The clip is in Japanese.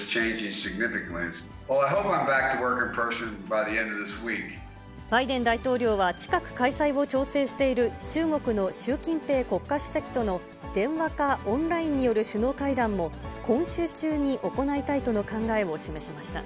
バイデン大統領は近く、開催を調整している中国の習近平国家主席との電話かオンラインによる首脳会談も、今週中に行いたいとの考えを示しました。